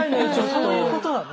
そういうことなの？